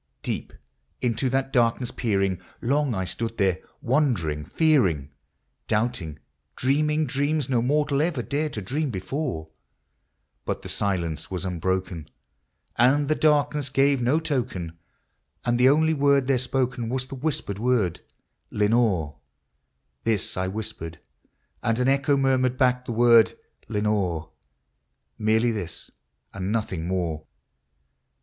Deep into that darkness peering, long I stood there, wondering, fearing, Doubting, dreaming dreams no mortal ever dared to dream before ; But the silence was unbroken, and the darkness gave no token, And the only word there spoken was the whispered word " Lenore !" This I whispered, and an echo murmured back the word " Lenore !" Merely this, and nothing more.